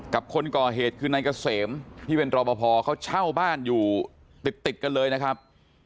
คนก่อเหตุคือนายเกษมที่เป็นรอปภเขาเช่าบ้านอยู่ติดติดกันเลยนะครับ